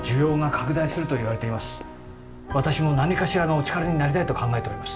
私も何かしらのお力になりたいと考えております。